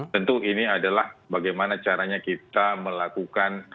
tentu ini adalah bagaimana caranya kita melakukan